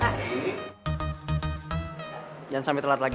jangan sampai terlalu lagi